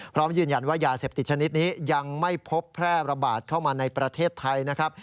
พร้อมยืนยันว่ายาเสพติดชนิดนี้ยังไม่พบแพร่ระบาดเข้ามาในประเทศไทยนะครับ